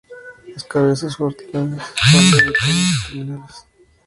Las cabezas florales son solitarias y terminales.